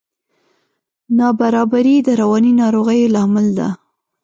نابرابري د رواني ناروغیو لامل ده.